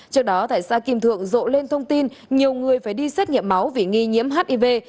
trước đó tại xã kim thượng rộ lên thông tin nhiều người phải đi xét nghiệm máu vì nghi nhiễm hiv